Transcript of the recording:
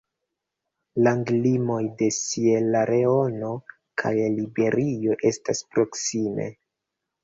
Landlimoj de Sieraleono kaj Liberio estas proksime.